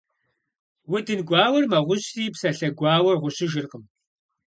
Удын гуауэр мэгъущри, псалъэ гуауэр гъущыжыркъым.